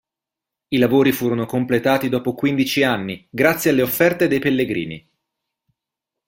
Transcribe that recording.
I lavori furono completati dopo quindici anni, grazie alle offerte dei pellegrini.